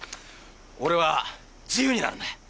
俺は自由になるんだ。